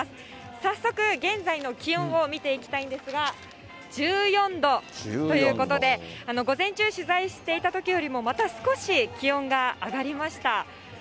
早速、現在の気温を見ていきたいんですが、１４度ということで、午前中取材していたときよりも、また少し気温が上がりました。